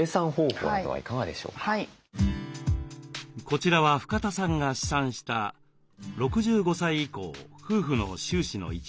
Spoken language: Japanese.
こちらは深田さんが試算した６５歳以降夫婦の収支の一例です。